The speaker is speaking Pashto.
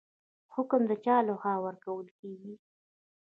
حکم د چا لخوا ورکول کیږي؟